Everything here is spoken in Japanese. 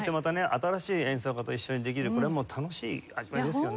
新しい演奏家と一緒にできるこれも楽しい味わいですよね。